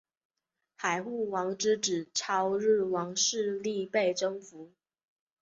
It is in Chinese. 海护王之子超日王势力被征服。